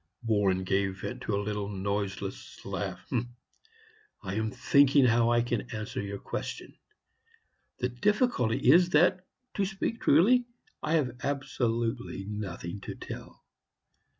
Warren gave vent to a little noiseless laugh. "I am thinking how I can answer your question. The difficulty is that, to speak truly, I have absolutely nothing to tell.